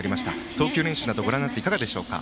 投球連勝などをご覧になっていかがですか？